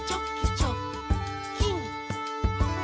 チョッキン！」